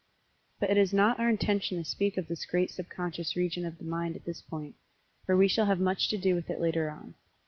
But it is not our intention to speak of this great subconscious region of the mind at this point, for we shall have much to do with it later on.